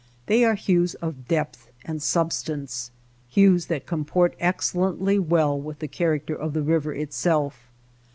They are hues of depth and substance — hues that comport excellently well with the character of the river itself.